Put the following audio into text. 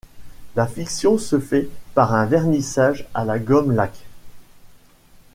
La finition se fait par un vernissage à la gomme laque.